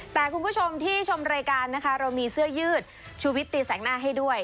แต่คุณผู้ชมที่ชมรายการนะคะเรามีเสื้อยืดชูวิตตีแสงหน้าให้ด้วย